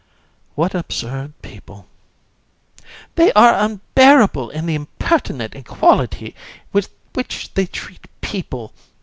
JU. What absurd people! COUN. They are unbearable in the impertinent equality with which they treat people.